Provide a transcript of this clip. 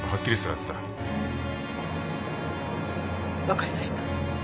わかりました。